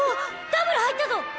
ダブル入ったぞ！